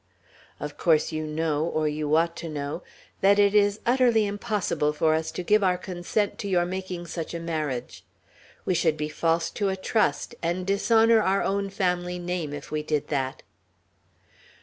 Of course you know or you ought to know that it is utterly impossible for us to give our consent to your making such a marriage; we should be false to a trust, and dishonor our own family name, if we did that."